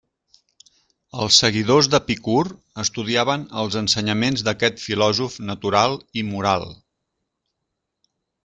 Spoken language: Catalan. Els seguidors d'Epicur estudiaven els ensenyaments d'aquest filòsof natural i moral.